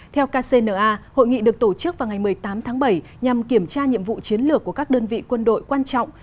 theo kcna hội nghị được tổ chức vào ngày một mươi tám tháng bảy nhằm kiểm tra nhiệm vụ chiến lược của các đơn vị quân đội quan trọng